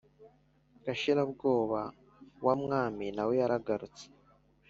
Gashirabwoba wa mwami nawe yaragarutse